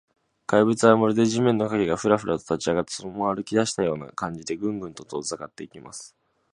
怪物は、まるで地面の影が、フラフラと立ちあがって、そのまま歩きだしたような感じで、グングンと遠ざかっていきます。